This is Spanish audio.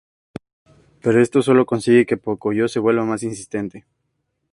Pero esto sólo consigue que Pocoyó se vuelva más insistente.